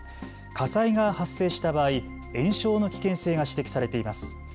火災が発生した場合、延焼の危険性が指摘されています。